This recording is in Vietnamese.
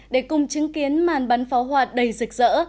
để cùng chứng kiến màn bắn pháo hoa đầy rực rỡ